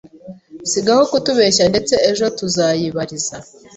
Sigaho kutubeshya ndetse ejo tuzayibariza